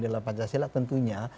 dalam pancasila tentunya